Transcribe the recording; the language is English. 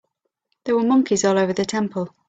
There were monkeys all over the temple.